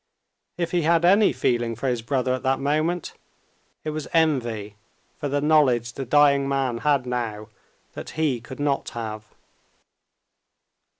If he had any feeling for his brother at that moment, it was envy for the knowledge the dying man had now that he could not have.